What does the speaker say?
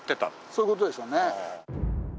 そういう事でしょうね。